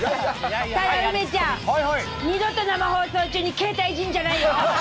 ただ梅ちゃん、二度と生放送中に携帯いじるんじゃないよ。